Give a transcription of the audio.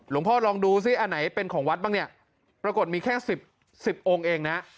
พ่อลองดูซิอันไหนเป็นของวัดบ้างเนี่ยปรากฏมีแค่สิบสิบองค์เองนะ